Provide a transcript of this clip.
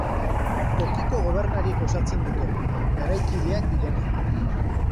Tokiko gobernariek osatzen dute, garaikideak direnak.